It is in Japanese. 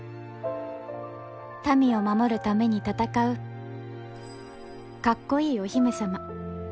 民を守るために戦うかっこいいお姫様。